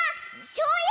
しょうゆ！